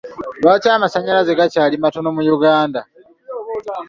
Lwaki amasannyalaze gakyali matono mu Uganda?